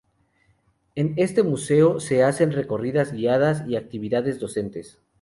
En este museo se hacen recorridas guiadas y actividades docentes.